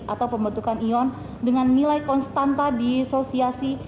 atau pembentukan ion dengan nilai konstanta disosiasi